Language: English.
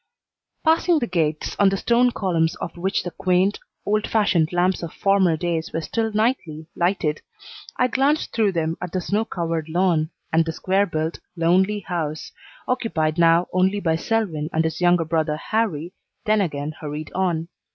Passing the gates, on the stone columns of which the quaint, old fashioned lamps of former days were still nightly lighted, I glanced through them at the snow covered lawn and the square built, lonely house, occupied now only by Selwyn and his younger brother Harrie, then again hurried on.